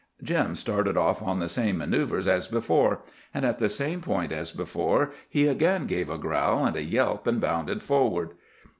_" Jim started off on the same manœuvres as before, and at the same point as before he again gave a growl and a yelp and bounded forward.